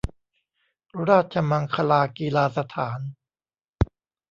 ราชมังคลากีฬาสถาน